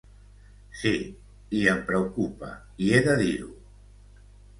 Sí, i em preocupa, i he de dir-ho!